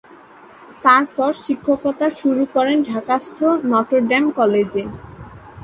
তারপর শিক্ষকতা শুরু করেন ঢাকাস্থ নটর ডেম কলেজে।